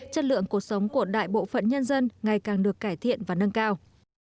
chất lượng cuộc sống của đại bộ phận nhân dân ngày càng được cải thiện và nâng cao